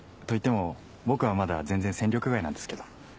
といっても僕はまだ全然戦力外なんですけど。